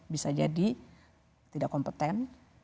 bisa jadi tidak kompeten